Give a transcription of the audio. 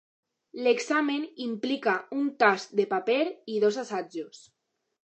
L'examen implica un tast de paper i dos assajos.